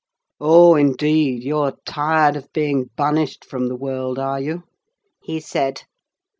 "Oh, indeed; you're tired of being banished from the world, are you?" he said.